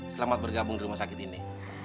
selamat bergabung di rumah sakit ini